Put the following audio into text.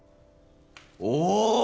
お！